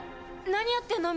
何やってんの？